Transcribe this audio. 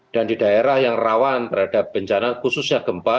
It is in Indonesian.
dan di daerah yang rawan terhadap bencana khususnya gempa